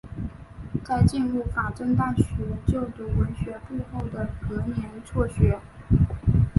在进入法政大学就读文学部后的隔年辍学。